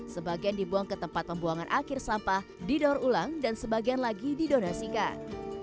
sebagian dibuang ke tempat pembuangan akhir sampah didaur ulang dan sebagian lagi didonasikan